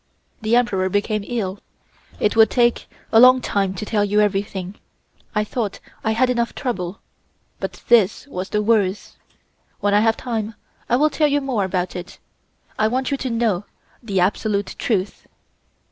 The Emperor became ill. It would take a long time to tell you everything; I thought I had enough trouble, but this last was the worst. When I have time, I will tell you more about it. I want you to know the absolute truth.